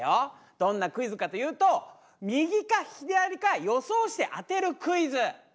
どんなクイズかというと右か左か予想して当てるクイズ。